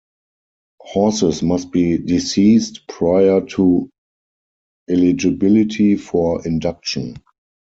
Horses must be deceased prior to eligibility for induction.